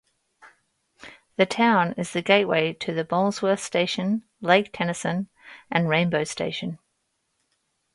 The town is the gateway to the Molesworth station, Lake Tennyson and Rainbow station.